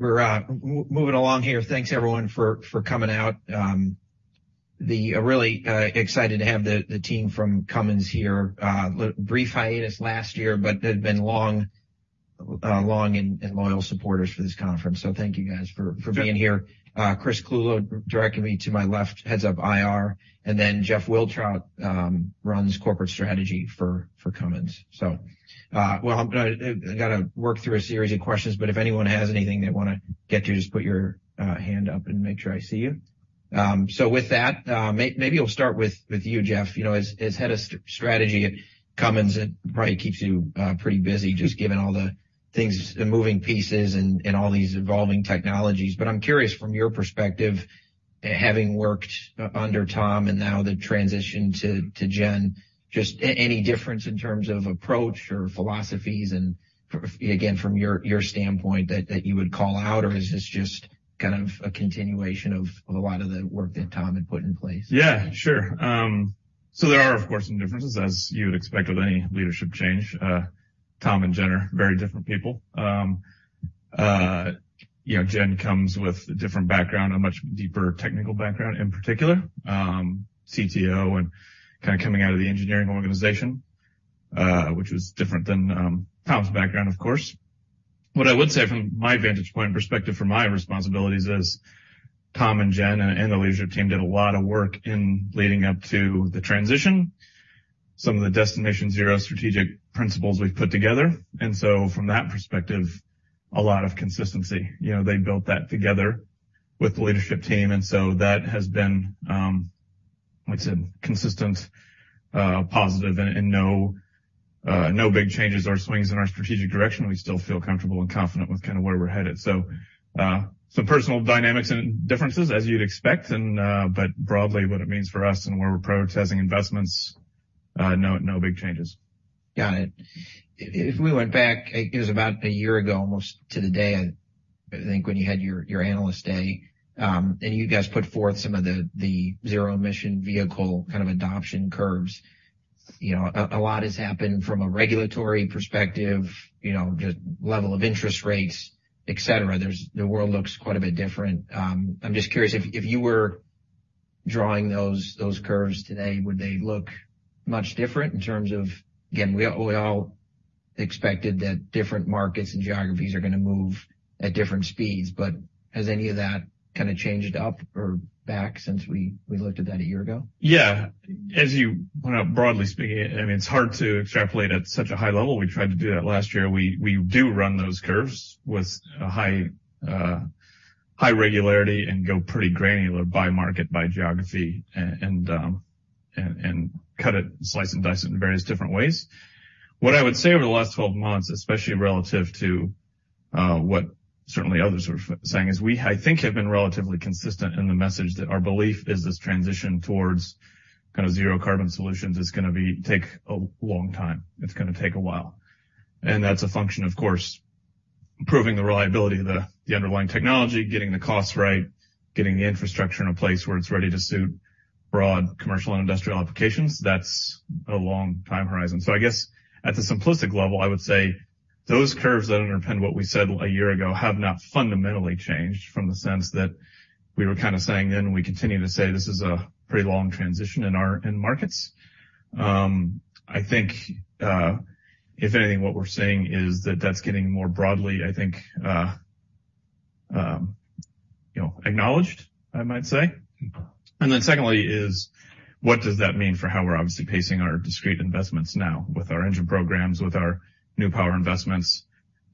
We're moving along here. Thanks everyone for coming out. Really excited to have the team from Cummins here. The brief hiatus last year, they've been long and loyal supporters for this conference. Thank you guys for being here. Chris Clulow, directly to my left, heads up IR. Jeff Wiltrout runs corporate strategy for Cummins. Well, I gotta work through a series of questions, but if anyone has anything they wanna get to, just put your hand up and make sure I see you. With that, maybe I'll start with you, Jeff. You know, as head of strategy at Cummins, it probably keeps you pretty busy just given all the things, the moving pieces and all these evolving technologies. I'm curious from your perspective, having worked under Tom and now the transition to Jen, just any difference in terms of approach or philosophies and again, from your standpoint that you would call out? Or is this just kind of a continuation of a lot of the work that Tom had put in place? Yeah, sure. So there are, of course, some differences, as you would expect with any leadership change. Tom and Jen are very different people. You know, Jen comes with a different background, a much deeper technical background in particular, CTO and kinda coming out of the engineering organization, which is different than Tom's background, of course. What I would say from my vantage point and perspective from my responsibilities is Tom and Jen and the leadership team did a lot of work in leading up to the transition. Some of the Destination Zero strategic principles we've put together, and so from that perspective, a lot of consistency. You know, they built that together with the leadership team, and so that has been, like I said, consistent, positive and no big changes or swings in our strategic direction. We still feel comfortable and confident with kinda where we're headed. Some personal dynamics and differences as you'd expect and, but broadly, what it means for us and where we're prioritizing investments, no big changes. Got it. If we went back, it was about a year ago, almost to the day, I think, when you had your Analyst Day, and you guys put forth some of the zero-emission vehicle kind of adoption curves. You know, a lot has happened from a regulatory perspective, you know, just level of interest rates, et cetera. The world looks quite a bit different. I'm just curious, if you were drawing those curves today, would they look much different in terms of... Again, we all expected that different markets and geographies are gonna move at different speeds. Has any of that kinda changed up or back since we looked at that a year ago? Yeah. Well, broadly speaking, I mean, it's hard to extrapolate at such a high level. We tried to do that last year. We do run those curves with a high regularity and go pretty granular by market, by geography and cut it, slice and dice it in various different ways. What I would say over the last 12 months, especially relative to what certainly others are saying is I think have been relatively consistent in the message that our belief is this transition towards kinda zero carbon solutions is take a long time. It's gonna take a while. That's a function, of course, proving the reliability of the underlying technology, getting the costs right, getting the infrastructure in a place where it's ready to suit broad commercial and industrial applications. That's a long time horizon. I guess at the simplistic level, I would say those curves that underpin what we said a year ago have not fundamentally changed from the sense that we were kinda saying then, we continue to say this is a pretty long transition in our end markets. I think, if anything, what we're saying is that that's getting more broadly, I think, you know, acknowledged, I might say. Secondly is what does that mean for how we're obviously pacing our discrete investments now with our engine programs, with our new power investments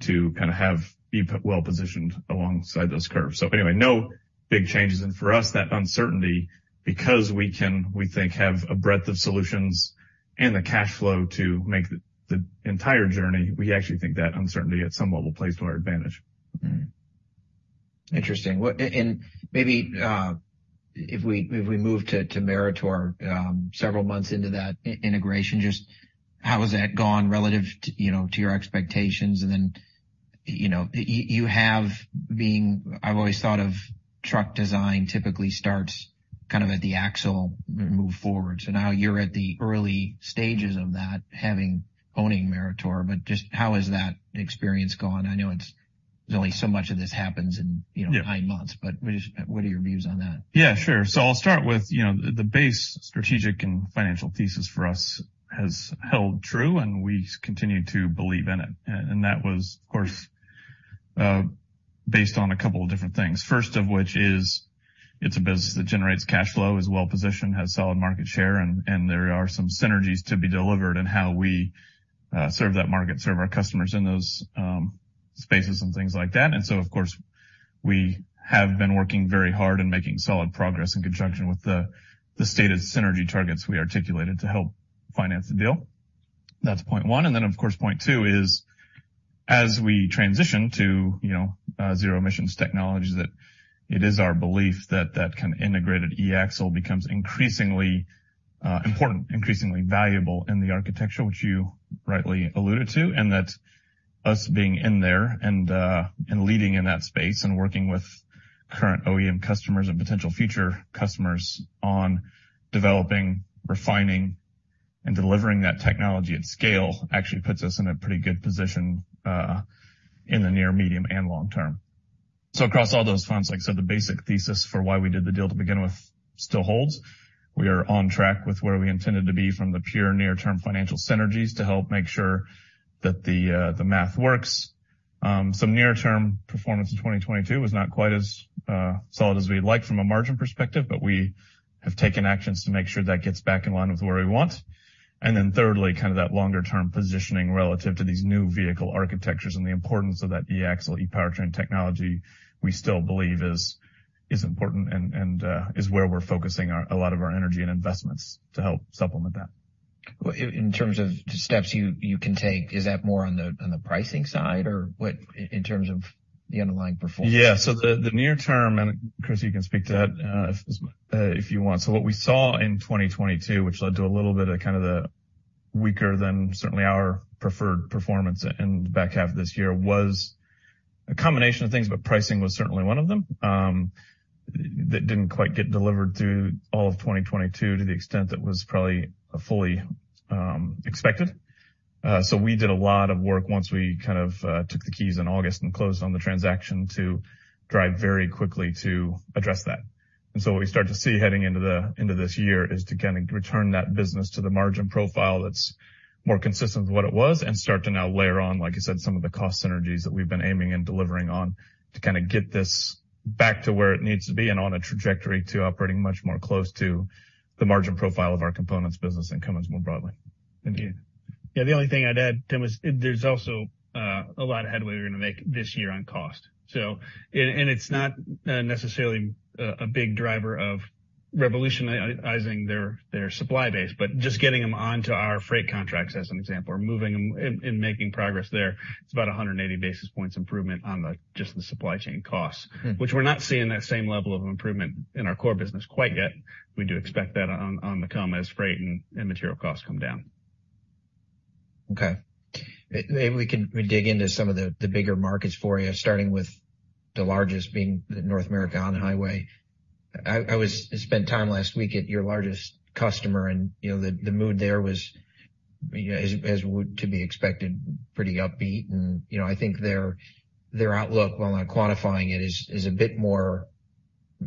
to kinda be well-positioned alongside those curves. Anyway, no big changes. For us, that uncertainty, because we can, we think, have a breadth of solutions and the cash flow to make the entire journey, we actually think that uncertainty at some level plays to our advantage. Interesting. Maybe, if we move to Meritor, several months into that integration, just how has that gone relative to, you know, to your expectations? Then, you know, you have been I've always thought of truck design typically starts kind of at the axle and move forward. Now you're at the early stages of that, owning Meritor. Just how has that experience gone? I know there's only so much of this happens in, you know... Yeah. Nine months, what are your views on that? Yeah, sure. I'll start with, you know, the base strategic and financial thesis for us has held true, and we continue to believe in it. And that was, of course, based on a couple of different things. First of which is it's a business that generates cash flow, is well-positioned, has solid market share, and there are some synergies to be delivered in how we serve that market, serve our customers in those spaces and things like that. Of course, we have been working very hard and making solid progress in conjunction with the stated synergy targets we articulated to help finance the deal. That's point one. Then, of course, point two is, as we transition to, you know, zero-emissions technologies, that it is our belief that that kind of integrated eAxle becomes increasingly important, increasingly valuable in the architecture, which you rightly alluded to. That us being in there and leading in that space and working with current OEM customers and potential future customers on developing, refining. Delivering that technology at scale actually puts us in a pretty good position, in the near, medium, and long term. Across all those fronts, like I said, the basic thesis for why we did the deal to begin with still holds. We are on track with where we intended to be from the pure near-term financial synergies to help make sure that the math works. Some near-term performance in 2022 was not quite as solid as we'd like from a margin perspective, but we have taken actions to make sure that gets back in line with where we want. Thirdly, kind of that longer-term positioning relative to these new vehicle architectures and the importance of that eAxle, ePowertrain technology we still believe is important and is where we're focusing a lot of our energy and investments to help supplement that. Well, in terms of the steps you can take, is that more on the pricing side or what in terms of the underlying performance? Yeah. The near term, and Chris, you can speak to that, if you want. What we saw in 2022, which led to a little bit of kind of the weaker than certainly our preferred performance in the back half of this year, was a combination of things, but pricing was certainly one of them, that didn't quite get delivered through all of 2022 to the extent that was probably fully expected. We did a lot of work once we kind of took the keys in August and closed on the transaction to drive very quickly to address that. What we start to see heading into this year is to kind of return that business to the margin profile that's more consistent with what it was and start to now layer on, like you said, some of the cost synergies that we've been aiming and delivering on to kind of get this back to where it needs to be and on a trajectory to operating much more close to the margin profile of our components business and Cummins more broadly. And you. Yeah. The only thing I'd add, Tim, is there's also a lot of headway we're gonna make this year on cost. And, and it's not necessarily a big driver of revolutionizing their supply base, but just getting them onto our freight contracts as an example, or moving them and making progress there. It's about 180 basis points improvement on just the supply chain costs. Mm-hmm. We're not seeing that same level of improvement in our core business quite yet. We do expect that on to come as freight and material costs come down. Okay. Maybe we can dig into some of the bigger markets for you, starting with the largest being the North American on-highway. I spent time last week at your largest customer, and, you know, the mood there was, you know, as would to be expected, pretty upbeat. You know, I think their outlook, while not quantifying it, is a bit more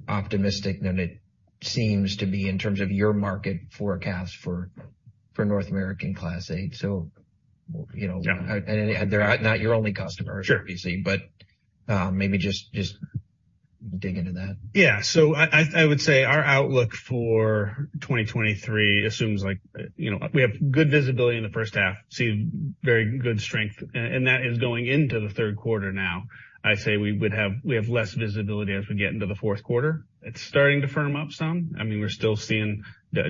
optimistic than it seems to be in terms of your market forecast for North American Class 8. You know. Yeah. They're not your only customer, obviously. Sure. maybe just dig into that. Yeah. I would say our outlook for 2023 assumes like, you know, we have good visibility in the first half, see very good strength, and that is going into the third quarter now. I'd say we have less visibility as we get into the fourth quarter. It's starting to firm up some. I mean, we're still seeing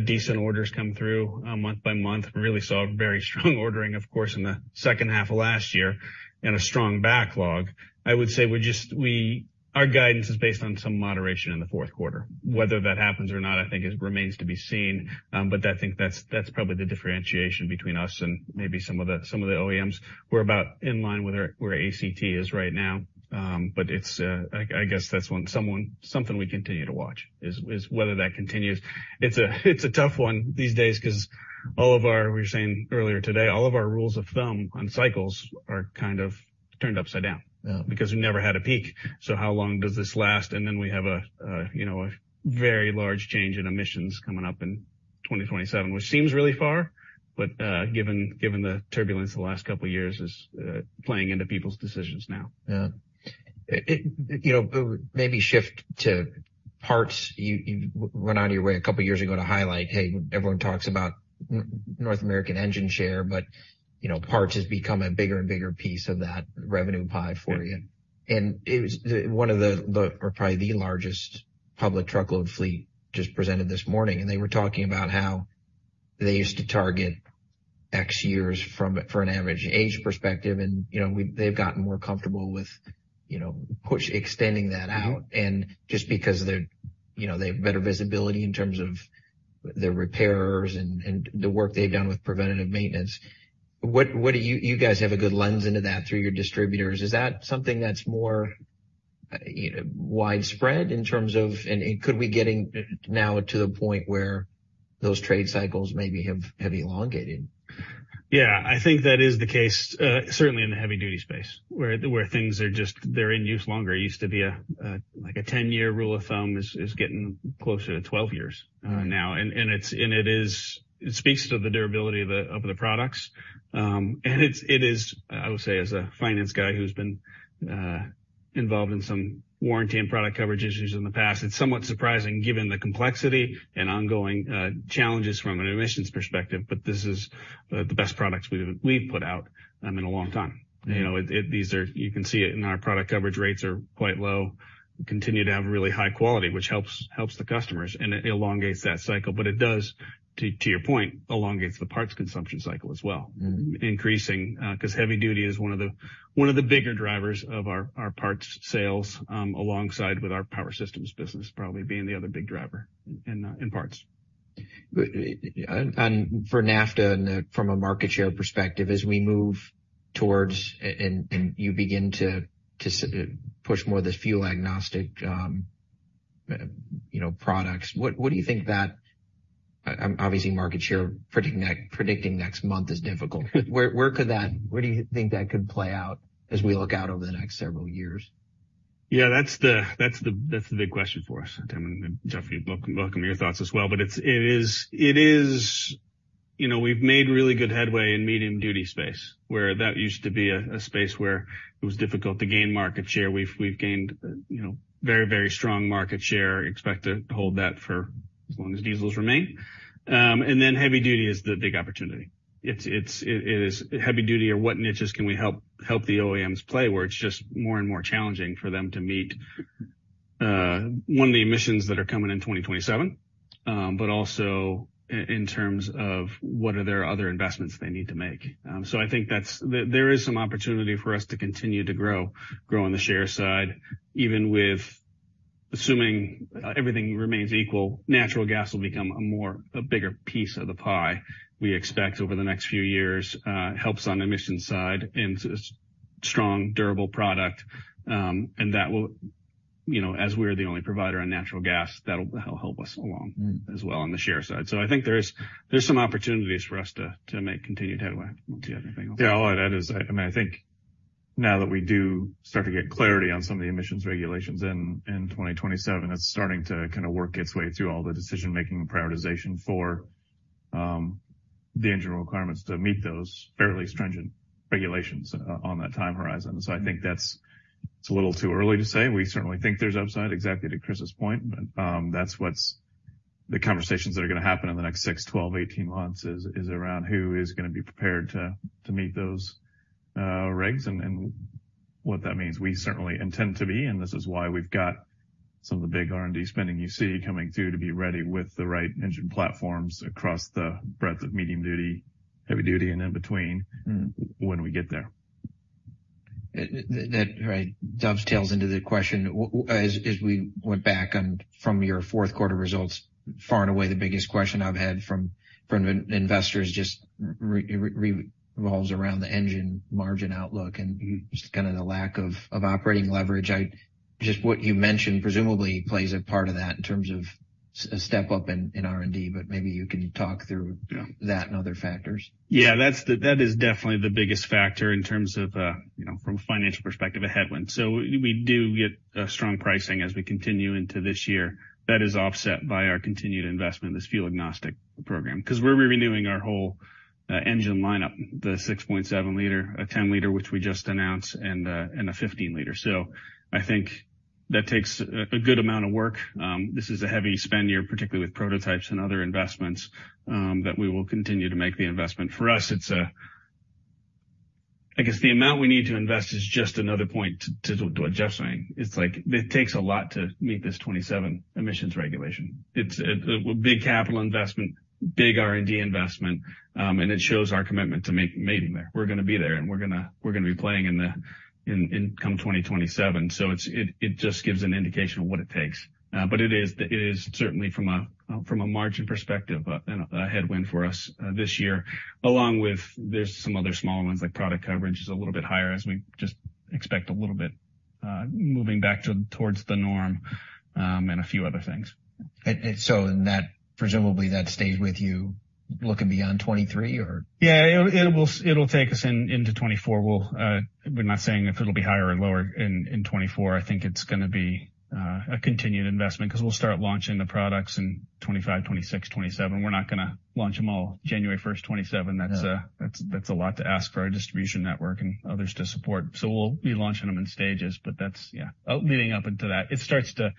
decent orders come through month by month. Really saw very strong ordering, of course, in the second half of last year and a strong backlog. I would say our guidance is based on some moderation in the fourth quarter. Whether that happens or not, I think it remains to be seen. I think that's probably the differentiation between us and maybe some of the OEMs. We're about in line with where ACT is right now. It's, I guess that's something we continue to watch is whether that continues. It's a tough one these days 'cause all of our, we were saying earlier today, all of our rules of thumb on cycles are kind of turned upside down. Yeah. We never had a peak. How long does this last? We have a, you know, a very large change in emissions coming up in 2027, which seems really far, but, given the turbulence the last couple years is playing into people's decisions now. Yeah. It, you know, maybe shift to parts. You went out of your way a couple years ago to highlight, hey, everyone talks about North American engine share, but you know, parts has become a bigger and bigger piece of that revenue pie for you. It was one of the, or probably the largest public truckload fleet just presented this morning, and they were talking about how they used to target X years for an average age perspective. You know, they've gotten more comfortable with, you know, push extending that out. Just because they're, you know, they have better visibility in terms of the repairers and the work they've done with preventative maintenance. What do you guys have a good lens into that through your distributors? Is that something that's more, you know, widespread in terms of... Could we getting now to the point where those trade cycles maybe have elongated? Yeah. I think that is the case, certainly in the heavy-duty space where things are they're in use longer. It used to be a, like, a 10-year rule of thumb is getting closer to 12 years, now. It speaks to the durability of the products. It is, I would say as a finance guy who's been involved in some warranty and product coverage issues in the past, it's somewhat surprising given the complexity and ongoing challenges from an emissions perspective, this is the best products we've put out in a long time. Yeah. You know, it you can see it in our product coverage rates are quite low, continue to have really high quality, which helps the customers, and it elongates that cycle. It does, to your point, elongates the parts consumption cycle as well. Mm-hmm. Increasing, 'cause heavy duty is one of the bigger drivers of our parts sales, alongside with our Power Systems business probably being the other big driver in parts. For NAFTA and, from a market share perspective, as we move towards and you begin to push more of this fuel agnostic, parts, you know, products. What do you think that? Obviously market share predicting next month is difficult. Where do you think that could play out as we look out over the next several years? Yeah, that's the big question for us. Tim and Jeffrey, welcome your thoughts as well. It is... You know, we've made really good headway in medium-duty space, where that used to be a space where it was difficult to gain market share. We've gained, you know, very strong market share, expect to hold that for as long as diesels remain. Heavy-duty is the big opportunity. It is heavy duty or what niches can we help the OEMs play where it's just more and more challenging for them to meet, one, the emissions that are coming in 2027, but also in terms of what are there other investments they need to make. I think that's... There is some opportunity for us to continue to grow on the share side, even with assuming e-everything remains equal, natural gas will become a more, a bigger piece of the pie, we expect over the next few years, helps on the emission side and it's strong, durable product. That will, you know, as we're the only provider on natural gas, that'll help us along as well on the share side. I think there's some opportunities for us to make continued headway. Do you have anything else? Yeah. All of that is... I mean, I think now that we do start to get clarity on some of the emissions regulations in 2027, it's starting to kind of work its way through all the decision-making and prioritization for the engine requirements to meet those fairly stringent regulations on that time horizon. I think that's... It's a little too early to say. We certainly think there's upside, exactly to Chris's point, but that's what's the conversations that are gonna happen in the next six, 12, 18 months is around who is gonna be prepared to meet those regs and what that means. We certainly intend to be, and this is why we've got some of the big R&D spending you see coming through to be ready with the right engine platforms across the breadth of medium-duty, heavy-duty, and in between when we get there. That dovetails into the question. As we went back on from your fourth quarter results, far and away, the biggest question I've had from investors just revolves around the engine margin outlook and just kind of the lack of operating leverage. Just what you mentioned presumably plays a part of that in terms of a step up in R&D, but maybe you can talk through that and other factors. Yeah. That is definitely the biggest factor in terms of, you know, from a financial perspective, a headwind. We do get strong pricing as we continue into this year. That is offset by our continued investment, this fuel-agnostic program, 'cause we're renewing our whole engine lineup, the 6.7 L, a 10 L which we just announced, and a 15 L. I think that takes a good amount of work. This is a heavy spend year, particularly with prototypes and other investments that we will continue to make the investment. For us, I guess the amount we need to invest is just another point to what Jeff's saying. It's like it takes a lot to meet this 2027 emissions regulation. It's a big capital investment, big R&D investment. It shows our commitment to meeting there. We're gonna be there, and we're gonna be playing in 2027. It just gives an indication of what it takes. It is certainly from a margin perspective, you know, a headwind for us this year, along with there's some other smaller ones, like product coverage is a little bit higher as we just expect a little bit moving back towards the norm, a few other things. Presumably that stays with you looking beyond 2023 or? Yeah. It will, it'll take us into 2024. We'll, we're not saying if it'll be higher or lower in 2024. I think it's gonna be a continued investment 'cause we'll start launching the products in 2025, 2026, 2027. We're not gonna launch them all January first, 2027. Yeah. That's, that's a lot to ask for our distribution network and others to support. We'll be launching them in stages, but that's, yeah. Leading up into that, it starts to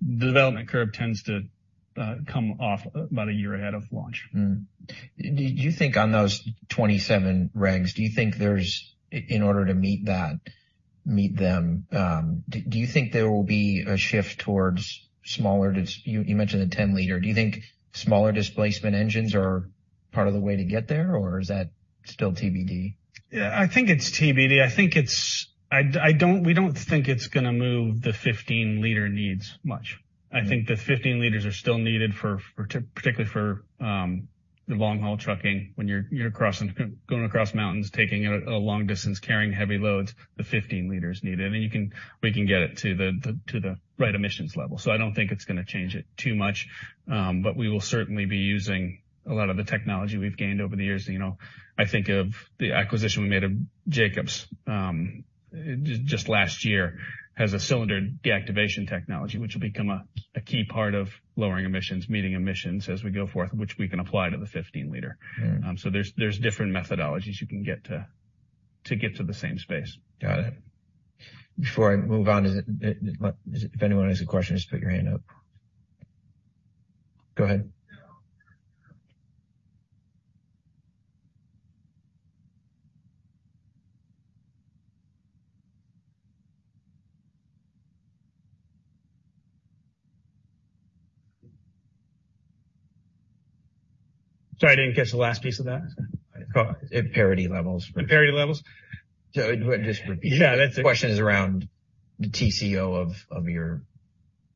the development curve tends to come off about a year ahead of launch. Do you think on those 2027 regs, in order to meet them, do you think there will be a shift towards smaller displacement engines? You mentioned the 10 L. Do you think smaller displacement engines are part of the way to get there, or is that still TBD? Yeah. I think it's TBD. We don't think it's gonna move the 15 L needs much. I think the 15 L are still needed particularly for the long-haul trucking when you're going across mountains, taking a long distance, carrying heavy loads, the 15L is needed. We can get it to the right emissions level. I don't think it's gonna change it too much. We will certainly be using a lot of the technology we've gained over the years. You know, I think of the acquisition we made of Jacobs just last year, has a Cylinder Deactivation technology, which will become a key part of lowering emissions, meeting emissions as we go forth, which we can apply to the 15 L. Mm. There's different methodologies you can get to get to the same space. Got it. Before I move on, if anyone has a question, just put your hand up. Go ahead. Sorry, I didn't catch the last piece of that. Imparity levels. Imparity levels? Just repeat. Yeah. That's it. The question is around the TCO of your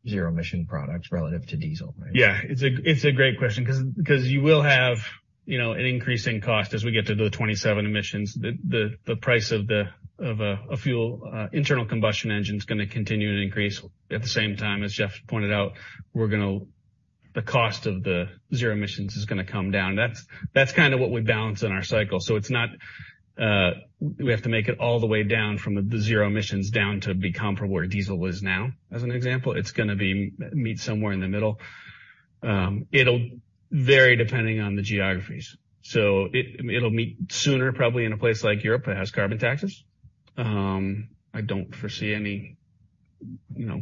zero emission products relative to diesel, right? It's a great question cause you will have, you know, an increase in cost as we get to the 2027 emissions. The price of a fuel, internal combustion engine is gonna continue to increase. As Jeff pointed out, the cost of the zero emissions is going to come down. That's kind of what we balance in our cycle. It's not, we have to make it all the way down from the zero emissions down to be comparable where diesel is now, as an example. It's gonna meet somewhere in the middle. It'll vary depending on the geographies. It'll meet sooner probably in a place like Europe that has carbon taxes. I don't foresee any, you know,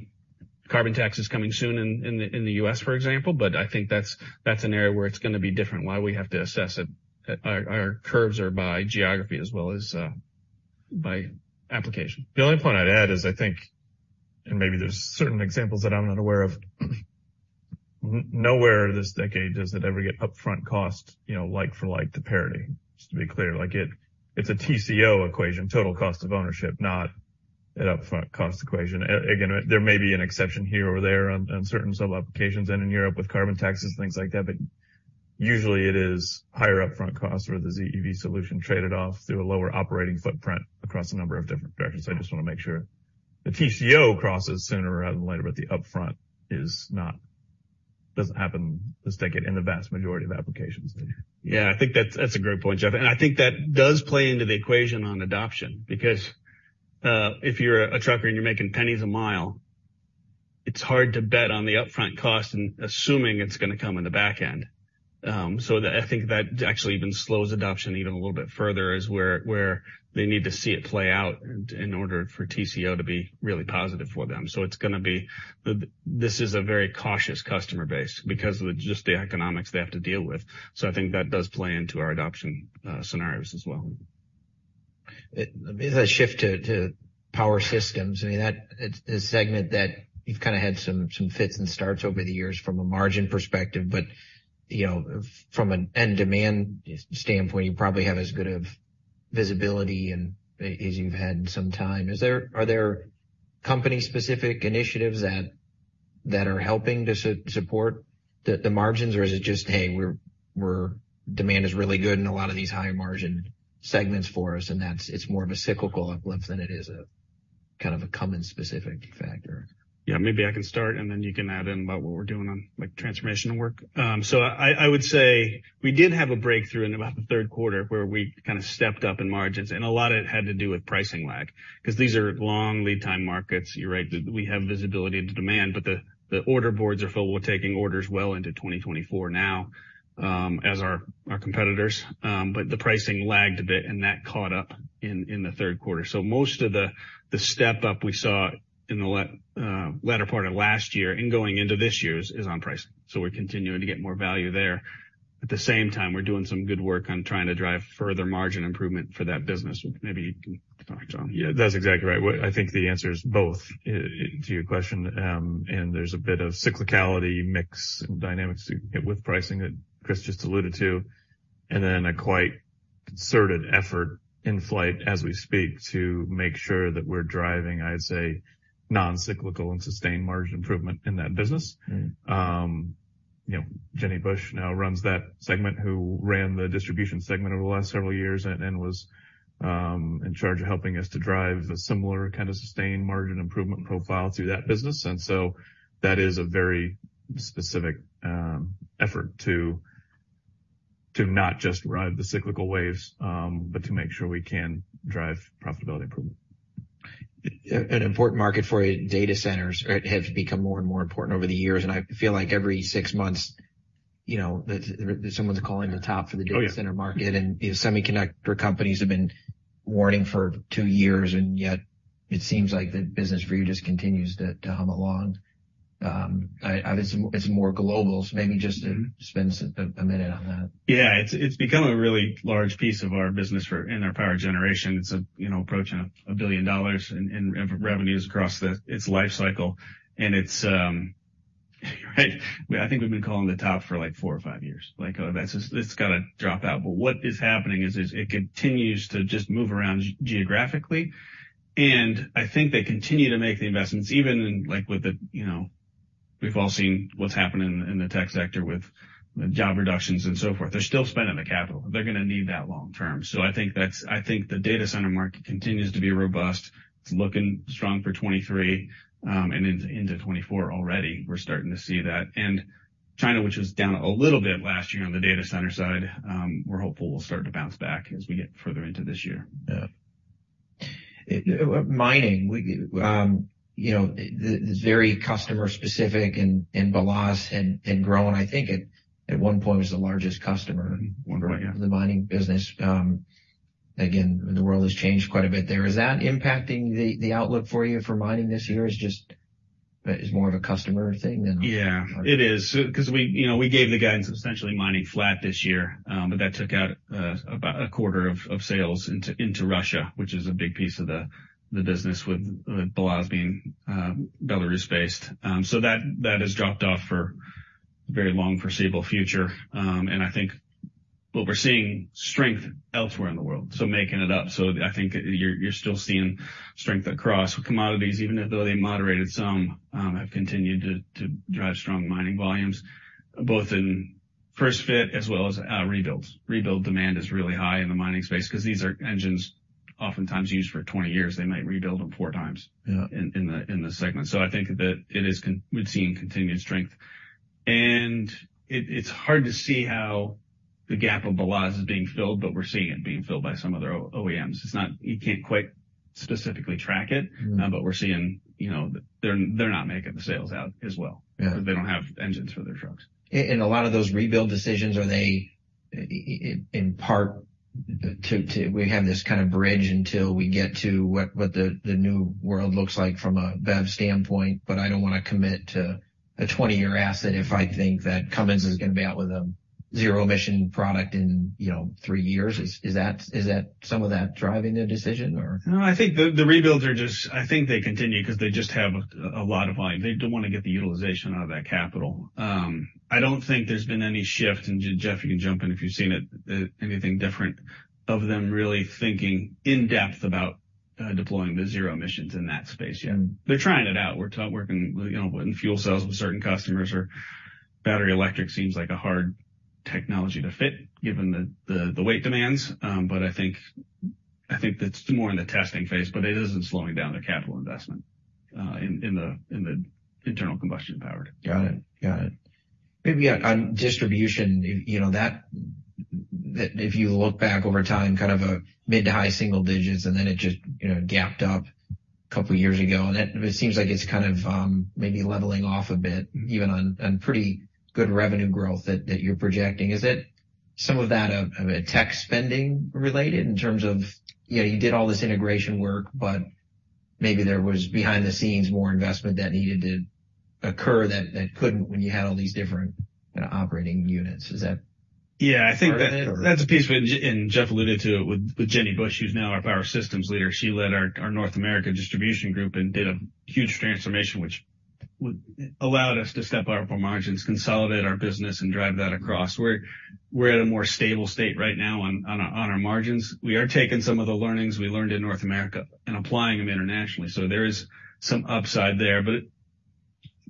carbon taxes coming soon in the, in the U.S., for example. I think that's an area where it's gonna be different, why we have to assess it. Our, our curves are by geography as well as by application. The only point I'd add is I think, and maybe there's certain examples that I'm not aware of, nowhere this decade does it ever get upfront cost, you know, like for like the parity, just to be clear. Like, it's a TCO equation, total cost of ownership, not an upfront cost equation. again, there may be an exception here or there on certain sub-applications and in Europe with carbon taxes, things like that, but usually it is higher upfront costs where the ZEV solution traded off through a lower operating footprint across a number of different vectors. I just want to make sure. The TCO crosses sooner rather than later, but the upfront doesn't happen this decade in the vast majority of applications. Yeah, I think that's a great point, Jeff. I think that does play into the equation on adoption, because if you're a trucker and you're making pennies a mile, it's hard to bet on the upfront cost and assuming it's gonna come in the back end. I think that actually even slows adoption even a little bit further is where they need to see it play out in order for TCO to be really positive for them. This is a very cautious customer base because of just the economics they have to deal with. I think that does play into our adoption scenarios as well. As I shift to Power Systems, I mean, that is a segment that you've kind of had some fits and starts over the years from a margin perspective, but, you know, from an end demand standpoint, you probably have as good of visibility and as you've had in some time. Are there company specific initiatives that are helping to support the margins? Is it just, hey, we're demand is really good in a lot of these high margin segments for us, and that's, it's more of a cyclical uplift than it is a kind of a Cummins specific factor? Maybe I can start, and then you can add in about what we're doing on like transformational work. I would say we did have a breakthrough in about the third quarter where we kind of stepped up in margins, and a lot of it had to do with pricing lag because these are long lead time markets. You're right. We have visibility into demand, but the order boards are filled. We're taking orders well into 2024 now, as our competitors, but the pricing lagged a bit, and that caught up in the third quarter. Most of the step-up we saw in the latter part of last year and going into this year is on pricing. We're continuing to get more value there. At the same time, we're doing some good work on trying to drive further margin improvement for that business. Maybe you can talk, John. Yeah, that's exactly right. I think the answer is both to your question. There's a bit of cyclicality mix and dynamics with pricing that Chris just alluded to, and then a quite concerted effort in flight as we speak to make sure that we're driving, I'd say, non-cyclical and sustained margin improvement in that business. You know, Jennifer Bush now runs that segment, who ran the distribution segment over the last several years and was in charge of helping us to drive a similar kind of sustained margin improvement profile through that business. That is a very specific effort to not just ride the cyclical waves, but to make sure we can drive profitability improvement. An important market for you, data centers have become more and more important over the years. I feel like every six months, you know, that someone's calling the top for the data center market. Oh, yeah. Semiconductor companies have been warning for two years, and yet it seems like the business for you just continues to hum along. It's more global, so maybe just spend a minute on that. Yeah. It's, it's become a really large piece of our business in our power generation. It's, you know, approaching $1 billion in revenues across its life cycle. It's, right, I think we've been calling the top for like four or five years. Like, oh, it's gotta drop out. What is happening is, it continues to just move around geographically, and I think they continue to make the investments even in like with the, you know, we've all seen what's happened in the tech sector with job reductions and so forth. They're still spending the capital. They're gonna need that long term. I think the data center market continues to be robust. It's looking strong for 2023 and into 2024 already, we're starting to see that. China, which was down a little bit last year on the data center side, we're hopeful will start to bounce back as we get further into this year. Yeah. Mining, you know, is very customer specific and BelAZ and growing. I think at one point was the largest customer... Wonderful, yeah. In the mining business. Again, the world has changed quite a bit there. Is that impacting the outlook for you for mining this year? Is more of a customer thing than. Yeah, it is, 'cause we, you know, we gave the guidance of essentially mining flat this year, but that took out about a quarter of sales into Russia, which is a big piece of the business with BelAZ being Belarus-based. That has dropped off for a very long foreseeable future. I think what we're seeing strength elsewhere in the world, so making it up. I think you're still seeing strength across commodities, even though they moderated some, have continued to drive strong mining volumes, both in first fit as well as rebuilds. Rebuild demand is really high in the mining space because these are engines oftentimes used for 20 years. They might rebuild them 4 times- Yeah. in the segment. I think that we're seeing continued strength. It's hard to see how the gap of the loss is being filled, we're seeing it being filled by some other OEMs. It's not. You can't quite specifically track it. Mm-hmm. We're seeing, you know, they're not making the sales out as well. Yeah. They don't have engines for their trucks. A lot of those rebuild decisions, are they in part to... We have this kind of bridge until we get to what the new world looks like from a BEV standpoint, but I don't wanna commit to a 20-year asset if I think that Cummins is gonna be out with a zero emission product in, you know, 3 years. Is that some of that driving the decision or? No, I think the rebuilds are just. I think they continue 'cause they just have a lot of life. They don't wanna get the utilization out of that capital. I don't think there's been any shift, and Jeff, you can jump in if you've seen it, anything different of them really thinking in depth about deploying the zero emissions in that space yet. Mm-hmm. They're trying it out. We're working, you know, in fuel cells with certain customers or battery electric seems like a hard technology to fit given the weight demands. I think that's more in the testing phase, but it isn't slowing down their capital investment in the internal combustion powered. Got it. Got it. Maybe on distribution, you know, that if you look back over time, kind of a mid to high single digits, and then it just, you know, gapped up two years ago. It seems like it's kind of maybe leveling off a bit even on pretty good revenue growth that you're projecting. Is it some of that of a tech spending related in terms of, you know, you did all this integration work, but maybe there was behind the scenes more investment that needed to occur that couldn't when you had all these different, kinda operating units. Is that? Yeah, I think. part of it or? That's a piece, Jeff alluded to it with Jennifer Bush, who's now our Power Systems leader. She led our North America distribution group and did a huge transformation, which allowed us to step up our margins, consolidate our business, and drive that across. We're at a more stable state right now on our margins. We are taking some of the learnings we learned in North America and applying them internationally. There is some upside there, but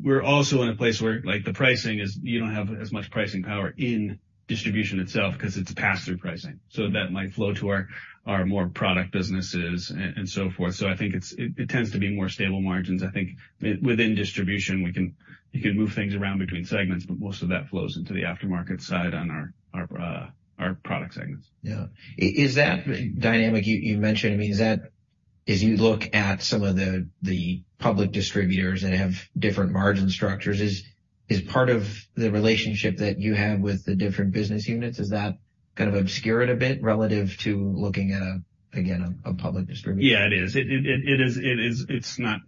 we're also in a place where, like the pricing is you don't have as much pricing power in distribution itself 'cause it's pass-through pricing. That might flow to our more product businesses and so forth. I think it tends to be more stable margins. I think within distribution, we can, you can move things around between segments, but most of that flows into the aftermarket side on our product segments. Yeah. Is that dynamic you mentioned, I mean, is that as you look at some of the public distributors that have different margin structures, is part of the relationship that you have with the different business units, is that kind of obscured a bit relative to looking at again, a public distributor? Yeah, it is. It is, it's not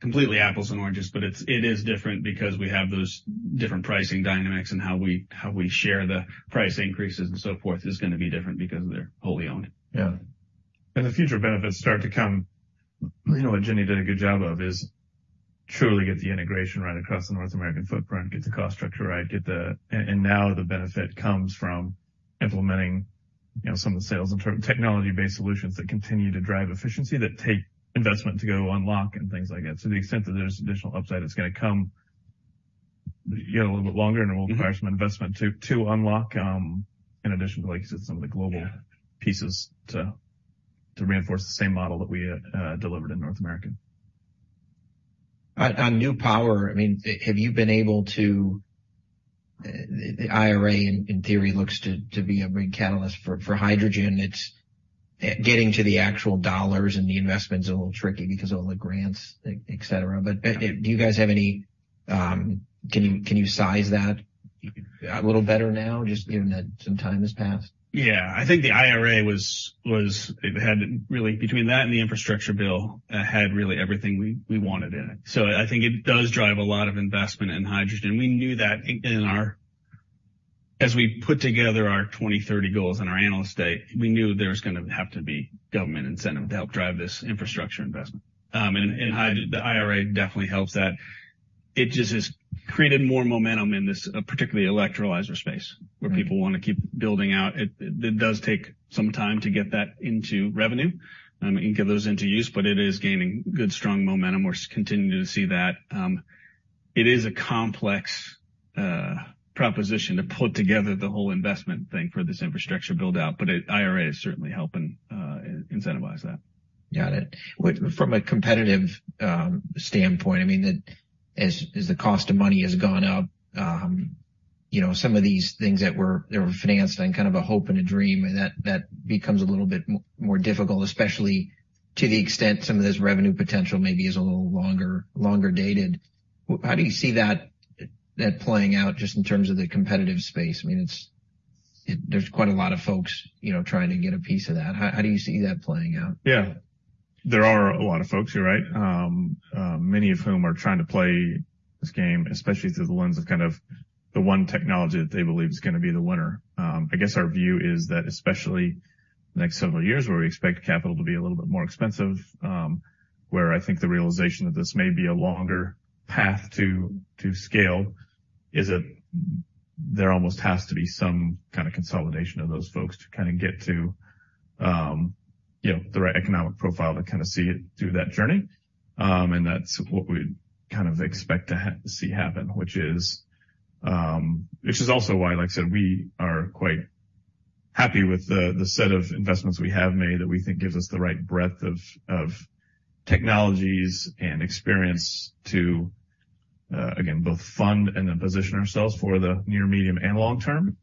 completely apples and oranges, it is different because we have those different pricing dynamics and how we share the price increases and so forth is gonna be different because they're wholly owned. Yeah. The future benefits start to come. You know, what Jenny did a good job of is truly get the integration right across the North American footprint, get the cost structure right, get the. Now the benefit comes from implementing, you know, some of the sales and technology-based solutions that continue to drive efficiency, that take investment to go unlock and things like that. To the extent that there's additional upside, it's gonna come, you know, a little bit longer and it will require some investment to unlock, in addition to, like you said, some of the global pieces to reinforce the same model that we delivered in North America. On new power, I mean, the IRA in theory, looks to be a big catalyst for hydrogen. It's getting to the actual dollars and the investment's a little tricky because all the grants, et cetera. Do you guys have any, can you size that a little better now just given that some time has passed? Yeah. I think the IRA was. It had really between that and the Infrastructure Bill, had really everything we wanted in it. I think it does drive a lot of investment in hydrogen. We knew that as we put together our 2030 goals in our analyst day, we knew there was gonna have to be government incentive to help drive this infrastructure investment. The IRA definitely helps that. It just has created more momentum in this, particularly electrolyzer space where people wanna keep building out. It, it does take some time to get that into revenue and get those into use, but it is gaining good, strong momentum. We're continuing to see that. It is a complex proposition to put together the whole investment thing for this infrastructure build-out, IRA is certainly helping incentivize that. Got it. From a competitive standpoint, I mean, as the cost of money has gone up, you know, some of these things that were financed on kind of a hope and a dream, that becomes a little bit more difficult, especially to the extent some of this revenue potential maybe is a little longer dated. How do you see that playing out just in terms of the competitive space? I mean, it's, there's quite a lot of folks, you know, trying to get a piece of that. How do you see that playing out? Yeah. There are a lot of folks. You're right. Many of whom are trying to play this game, especially through the lens of kind of the one technology that they believe is gonna be the winner. I guess our view is that, especially next several years where we expect capital to be a little bit more expensive, where I think the realization that this may be a longer path to scale is that there almost has to be some kinda consolidation of those folks to kinda get to, you know, the right economic profile to kinda see it through that journey. That's what we Kind of expect to see happen, which is, which is also why, like I said, we are quite happy with the set of investments we have made that we think gives us the right breadth of technologies and experience to again, both fund and then position ourselves for the near, medium, and long term.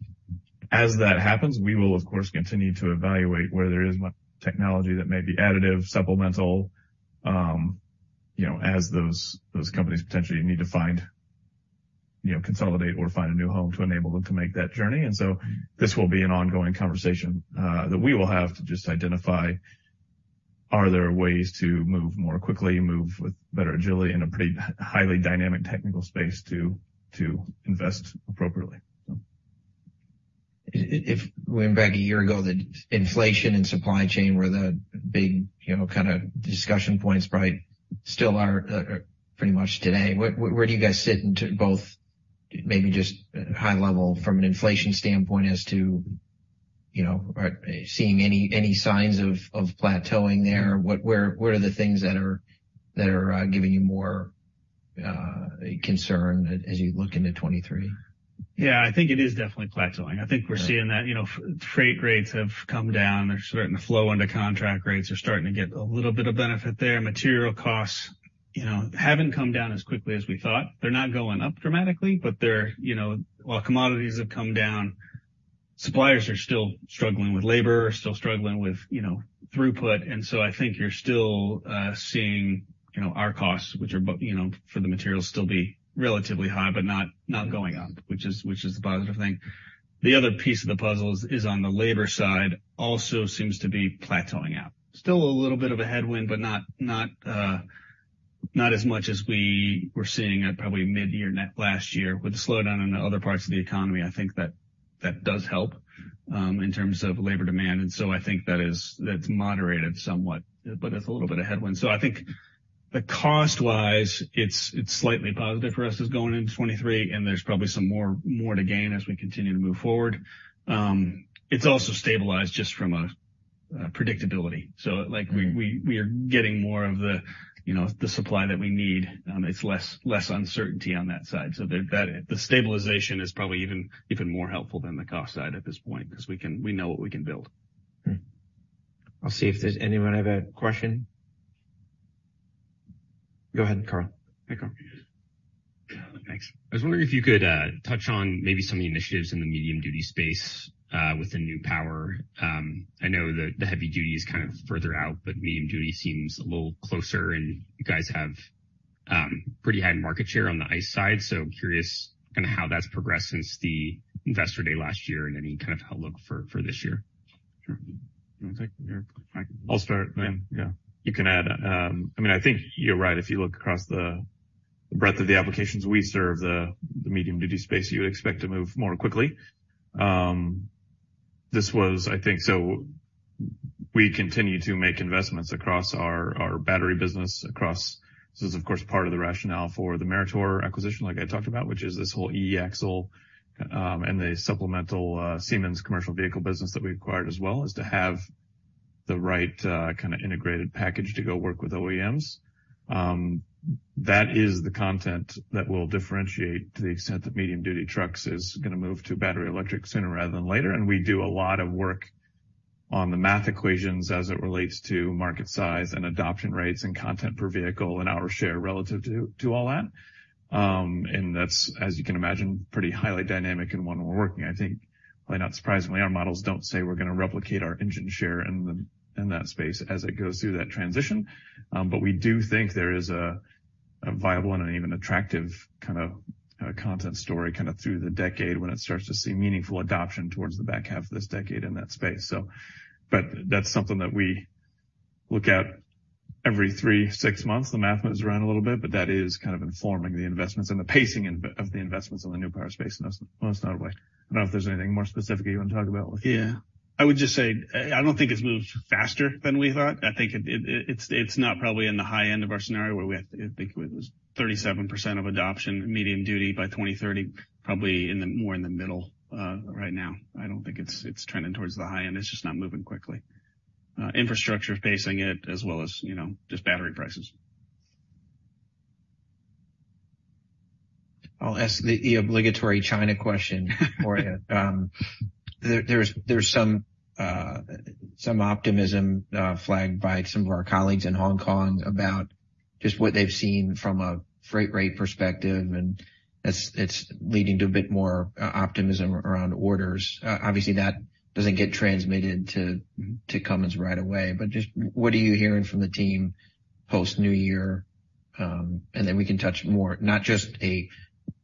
As that happens, we will of course continue to evaluate where there is technology that may be additive, supplemental, you know, as those companies potentially need to find, you know, consolidate or find a new home to enable them to make that journey. This will be an ongoing conversation that we will have to just identify are there ways to move more quickly, move with better agility in a pretty highly dynamic technical space to invest appropriately, so. If went back a year ago that inflation and supply chain were the big, you know, kind of discussion points, probably still are pretty much today. Where do you guys sit in both maybe just high level from an inflation standpoint as to, you know, are seeing any signs of plateauing there? What where are the things that are giving you more concern as you look into 2023? Yeah, I think it is definitely plateauing. I think we're seeing that, you know, freight rates have come down. They're starting to flow into contract rates. They're starting to get a little bit of benefit there. Material costs, you know, haven't come down as quickly as we thought. They're not going up dramatically, but they're, you know, while commodities have come down, suppliers are still struggling with labor, still struggling with, you know, throughput. I think you're still seeing, you know, our costs, which are, you know, for the materials still be relatively high, but not going up, which is a positive thing. The other piece of the puzzle is on the labor side also seems to be plateauing out. Still a little bit of a headwind, but not as much as we were seeing at probably mid-year last year. With the slowdown in the other parts of the economy, I think that does help in terms of labor demand. I think that's moderated somewhat, but it's a little bit of headwind. I think the cost-wise, it's slightly positive for us as going into 2023, and there's probably some more to gain as we continue to move forward. It's also stabilized just from a predictability. Like we are getting more of the, you know, the supply that we need. It's less uncertainty on that side. The, that, the stabilization is probably even more helpful than the cost side at this point 'cause we know what we can build. I'll see if there's anyone have a question. Go ahead, Carl. Hi, Carl. Thanks. I was wondering if you could touch on maybe some of the initiatives in the medium-duty space with the new power. I know the heavy duty is kind of further out, but medium duty seems a little closer, and you guys have pretty high market share on the ICE side. Curious kinda how that's progressed since the investor day last year and any kind of outlook for this year. Sure. You wanna take it or I'll start. Yeah. You can add. I mean, I think you're right. If you look across the breadth of the applications we serve, the medium-duty space, you would expect to move more quickly. This was, I think. We continue to make investments across our battery business, across. This is of course part of the rationale for the Meritor acquisition, like I talked about, which is this whole eAxle, and the supplemental Siemens Commercial Vehicles business that we acquired as well, is to have the right kinda integrated package to go work with OEMs. That is the content that will differentiate to the extent that medium-duty trucks is gonna move to battery electric sooner rather than later. We do a lot of work on the math equations as it relates to market size and adoption rates and content per vehicle and our share relative to all that. That's, as you can imagine, pretty highly dynamic and one we're working. I think, quite not surprisingly, our models don't say we're gonna replicate our engine share in that space as it goes through that transition. We do think there is a viable and an even attractive kind of content story kinda through the decade when it starts to see meaningful adoption towards the back half of this decade in that space. That's something that we look at every three, six months. The math moves around a little bit, that is kind of informing the investments and the pacing of the investments in a New Power space in a notable way. I don't know if there's anything more specific you wanna talk about. Yeah. I would just say I don't think it's moved faster than we thought. I think it's not probably in the high end of our scenario where we had, I think it was 37% of adoption medium duty by 2030, probably more in the middle right now. I don't think it's trending towards the high end. It's just not moving quickly. Infrastructure's pacing it as well as, you know, just battery prices. I'll ask the obligatory China question for you. There's some optimism flagged by some of our colleagues in Hong Kong about just what they've seen from a freight rate perspective, and it's leading to a bit more optimism around orders. Obviously, that doesn't get transmitted to Cummins right away. Just what are you hearing from the team post New Year? Then we can touch more, not just a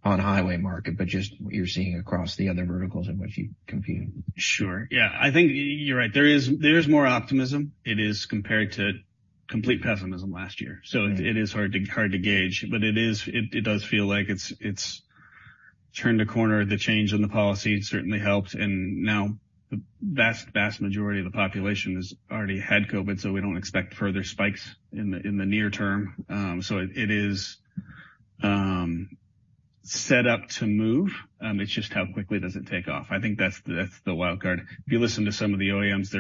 on highway market, but just what you're seeing across the other verticals in which you compete. Sure. Yeah. I think you're right. There is more optimism. It is compared to complete pessimism last year. Right. It is hard to gauge, but it does feel like it's turned a corner. The change in the policy certainly helped, and now the vast majority of the population has already had COVID, so we don't expect further spikes in the near term. It is set up to move, it's just how quickly does it take off? I think that's the wild card. If you listen to some of the OEMs,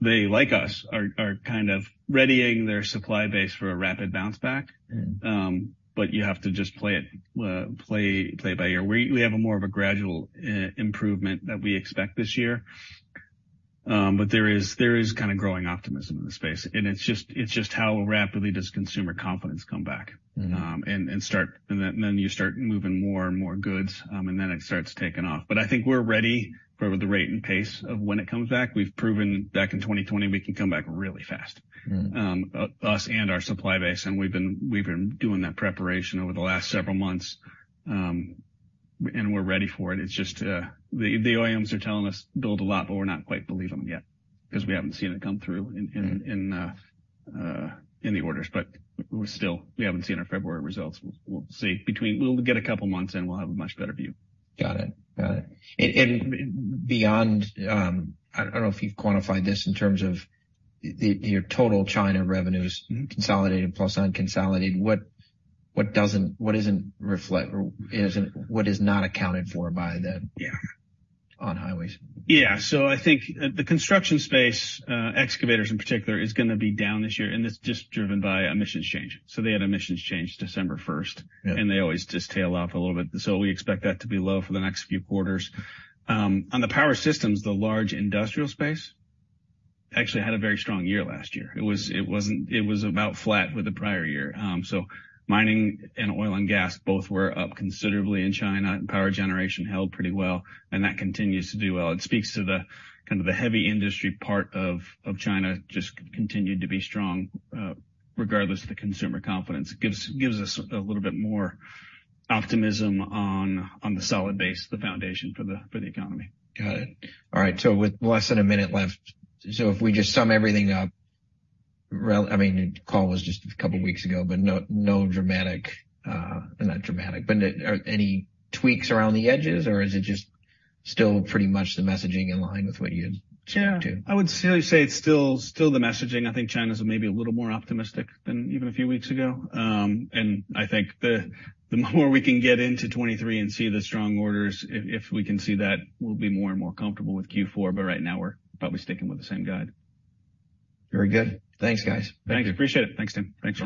they like us, are kind of readying their supply base for a rapid bounce back. Mm-hmm. You have to just play it by ear. We have a more of a gradual, improvement that we expect this year. There is kind of growing optimism in the space, and it's just how rapidly does consumer confidence come back... Mm-hmm. Then you start moving more and more goods, and then it starts taking off. I think we're ready for the rate and pace of when it comes back. We've proven back in 2020 we can come back really fast. Mm-hmm. Us and our supply base, and we've been doing that preparation over the last several months. We're ready for it. It's just, the OEMs are telling us build a lot, but we're not quite believe them yet because we haven't seen it come through in the orders. We're still. We haven't seen our February results. We'll see. We'll get a couple months in, we'll have a much better view. Got it. Got it. Beyond, I don't know if you've quantified this in terms of the, your total China revenues... Mm-hmm. Consolidated plus unconsolidated. What doesn't what is not accounted for by the. Yeah. On highways? Yeah. I think, the construction space, excavators in particular, is gonna be down this year, and it's just driven by emissions change. They had emissions change December first. Yeah. They always just tail off a little bit. We expect that to be low for the next few quarters. On the Power Systems, the large industrial space actually had a very strong year last year. It was about flat with the prior year. Mining and oil and gas both were up considerably in China, and power generation held pretty well, and that continues to do well. It speaks to the kind of the heavy industry part of China just continued to be strong, regardless of the consumer confidence. Gives us a little bit more optimism on the solid base, the foundation for the, for the economy. Got it. All right. With less than a minute left, so if we just sum everything up, I mean, the call was just a couple weeks ago, but no dramatic, not dramatic, but are any tweaks around the edges or is it just still pretty much the messaging in line with what you had shared too? Yeah. I would say it's still the messaging. I think China's maybe a little more optimistic than even a few weeks ago. I think the more we can get into 2023 and see the strong orders, if we can see that, we'll be more and more comfortable with Q4. Right now we're probably sticking with the same guide. Very good. Thanks, guys. Thanks. Appreciate it. Thanks, Tim. Thanks.